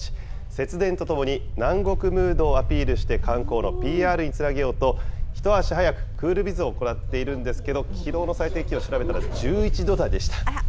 節電とともに、南国ムードをアピールして観光のＰＲにつなげようと、一足早くクールビズを行っているんですけど、きのうの最低気温、調べたら１１度台でした。